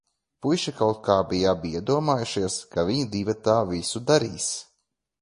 Puiši kaut kā bija abi iedomājušies, ka viņi divatā visu darīs.